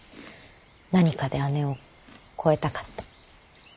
何かで姉を超えたかった。